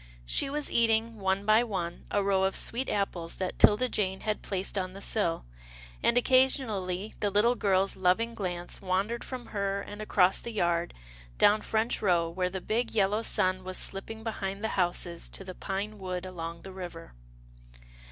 She was eating, one by one, a row of sweet apples that 'Tilda Jane had placed on the sill, and occasionally the little girl's loving glance wandered from her, and across the yard, down French Row where the big, yellow sun was slipping behind the houses to the pine wood along the river.